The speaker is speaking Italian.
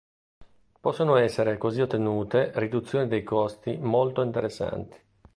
Possono essere così ottenute riduzioni dei costi molto interessanti.